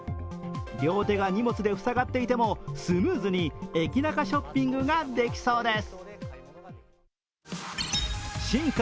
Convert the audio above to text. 両手が荷物で塞がっていてもスムーズに駅ナカショッピングができそうです。